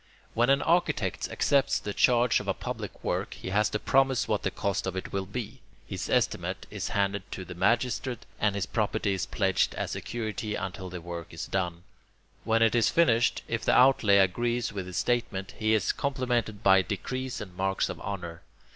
When an architect accepts the charge of a public work, he has to promise what the cost of it will be. His estimate is handed to the magistrate, and his property is pledged as security until the work is done. When it is finished, if the outlay agrees with his statement, he is complimented by decrees and marks of honour.